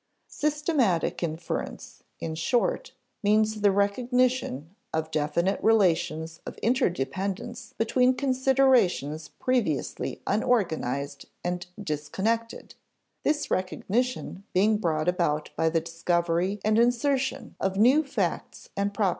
Systematic inference, in short, means the _recognition of definite relations of interdependence between considerations previously unorganized and disconnected, this recognition being brought about by the discovery and insertion of new facts and properties_.